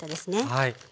はい。